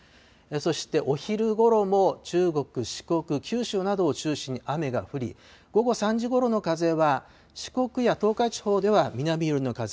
そして、お昼頃も中国、四国、九州などを中心に雨が降り、午後３時頃の風は、四国や東海地方では南寄りの風。